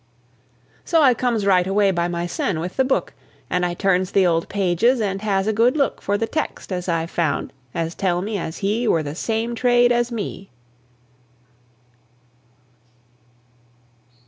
So I comes right away by mysen, with the book, And I turns the old pages and has a good look For the text as I've found, as tells me as He Were the same trade as me.